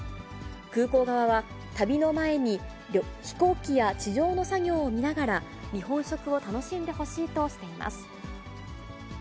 空港側は、旅の前に飛行機や地上の作業を見ながら、日本食を楽しんでほしいとしています。